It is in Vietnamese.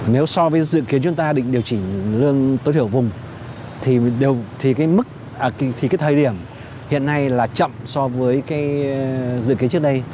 nếu so với dự kiến chúng ta định điều chỉnh lương tối thiểu vùng thì cái thời điểm hiện nay là chậm so với cái dự kiến trước đây